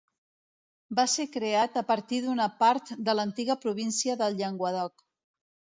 Va ser creat a partir d'una part de l'antiga província del Llenguadoc.